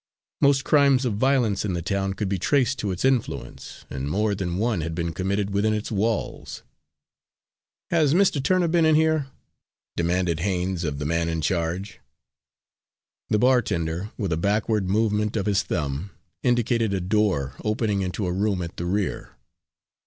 Most crimes of violence in the town could be traced to its influence, and more than one had been committed within its walls. "Has Mr. Turner been in here?" demanded Haines of the man in charge. The bartender, with a backward movement of his thumb, indicated a door opening into a room at the rear.